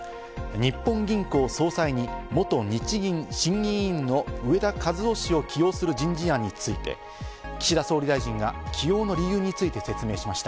日本銀行総裁に元日銀審議委員の植田和男氏を起用する人事案について、岸田総理大臣が起用の理由について説明しました。